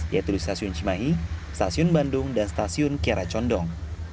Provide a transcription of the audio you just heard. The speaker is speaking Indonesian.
yaitu di stasiun cimahi stasiun bandung dan stasiun kiaracondong